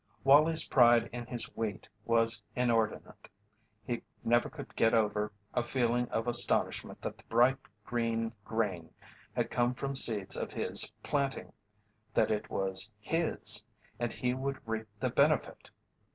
Wallie's pride in his wheat was inordinate. He never could get over a feeling of astonishment that the bright green grain had come from seeds of his planting that it was his and he would reap the benefit.